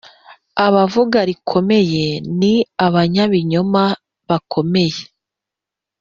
abavuga rikomeye ni abanyabinyoma bakomeye.